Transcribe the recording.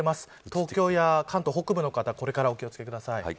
東京や関東北部の方これからお気を付けください。